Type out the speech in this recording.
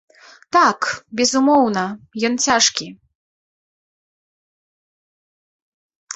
Так, безумоўна, ён цяжкі.